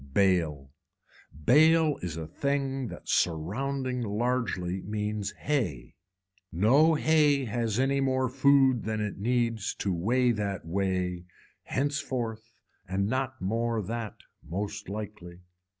Bale, bale is a thing that surrounding largely means hay, no hay has any more food than it needs to weigh that way henceforward and not more that most likely.